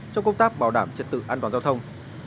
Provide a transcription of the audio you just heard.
trong công tác bảo đảm trật tự an toàn giao thông